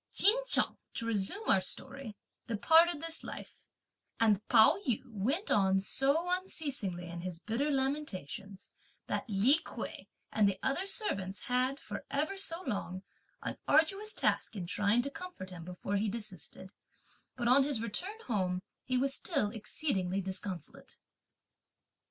Ch'in Chung, to resume our story, departed this life, and Pao yü went on so unceasingly in his bitter lamentations, that Li Kuei and the other servants had, for ever so long, an arduous task in trying to comfort him before he desisted; but on his return home he was still exceedingly disconsolate.